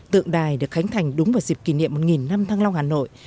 tượng đài được khánh thành đúng vào dịp kỷ niệm một năm thăng long hà nội